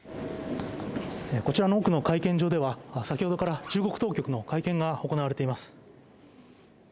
こちらの奥の会見場では先ほどから中国当局の会見が行われています。